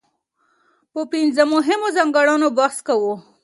په پنځه مهمو ځانګړنو بحث کوو.